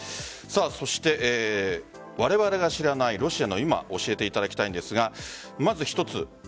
我々が知らないロシアの今を教えていただきたいんですがまず１つ